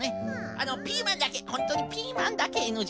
あのピーマンだけほんとにピーマンだけＮＧなんですよ。